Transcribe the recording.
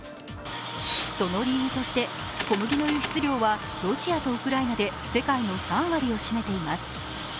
その理由として、小麦の輸出量はロシアとウクライナで世界の３割を占めています。